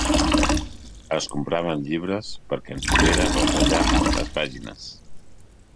Es compraven llibres perquè en poguera retallar les pàgines.